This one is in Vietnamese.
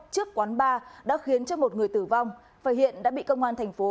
trước quán bar đã khiến cho một người tử vong và hiện đã bị công an thành phố